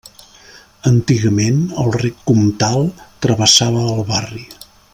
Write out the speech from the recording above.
Antigament el Rec Comtal travessava el barri.